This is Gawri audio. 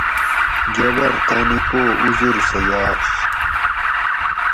گبر تانی پو اُزر سہ یاۤش